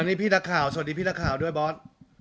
นี่พี่นักข่าวสวัสดีพี่นักข่าวด้วยบอส